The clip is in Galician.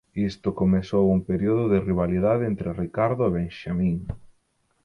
Isto comezou un período de rivalidade entre Ricardo e Benxamín.